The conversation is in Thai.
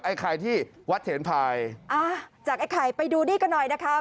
ไข่ที่วัดเถนภายอ่าจากไอ้ไข่ไปดูนี่กันหน่อยนะคะ